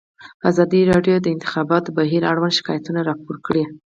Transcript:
ازادي راډیو د د انتخاباتو بهیر اړوند شکایتونه راپور کړي.